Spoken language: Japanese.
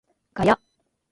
ガヤ